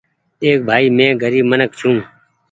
ۮيک ڀآئي مينٚ غريب منک ڇوٚنٚ